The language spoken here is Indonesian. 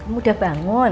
kamu udah bangun